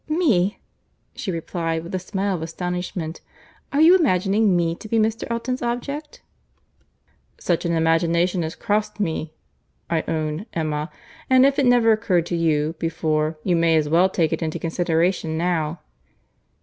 "Me!" she replied with a smile of astonishment, "are you imagining me to be Mr. Elton's object?" "Such an imagination has crossed me, I own, Emma; and if it never occurred to you before, you may as well take it into consideration now."